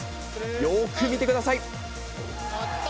よーく見てください。